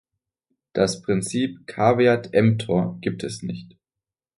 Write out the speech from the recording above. Das Prinzip caveat emptor gibt es nicht.